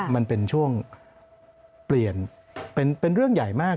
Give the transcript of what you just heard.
มันเป็นช่วงเปลี่ยนเป็นเรื่องใหญ่มาก